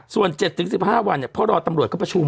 ส่วน๗๑๕วันเพราะรอตำรวจเขาประชุม